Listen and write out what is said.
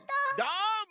どーも！